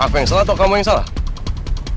apa yang salah atau kamu yang salah